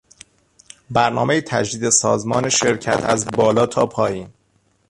برنامهی تجدید سازمان شرکت از بالا تا پایین